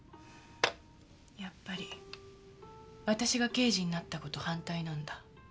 やっぱり私が刑事になった事反対なんだ。